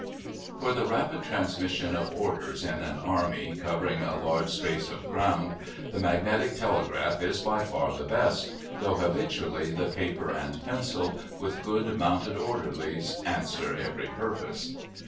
For the rapid transmission of orders in an army covering a large space of ground, the magnetic telegraph is by far the best, though habitually the paper and pencil, with good mounted orderlies, answer every purpose.